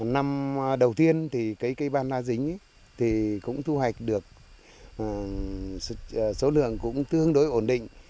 năm đầu tiên thì cây ban lá dính cũng thu hoạch được số lượng cũng tương đối ổn định